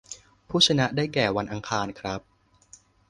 ผู้ชนะได้แก่ วันอังคารครับ